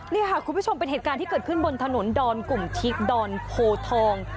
นี่ค่ะคุณผู้ชมเป็นเหตุการณ์ที่เกิดขึ้นบนถนนดกุ่มภครทอง